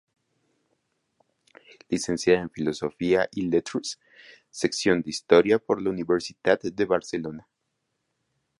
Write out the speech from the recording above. Licenciada en filosofia i lletres, sección de historia por la Universitat de Barcelona.